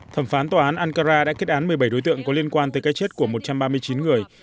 thẩm phán tòa án ankara đã kết án một mươi bảy đối tượng có liên quan tới cái chết của một trăm ba mươi chín người